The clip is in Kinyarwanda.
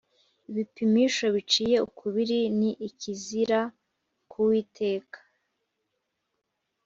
ibipimisho biciye ukubiri ni ikizira ku uwiteka